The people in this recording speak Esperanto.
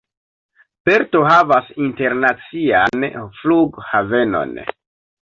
Perto havas internacian flughavenon.